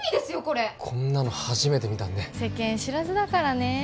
これこんなの初めて見たんで世間知らずだからねえ